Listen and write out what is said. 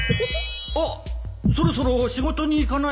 あっそろそろ仕事に行かないと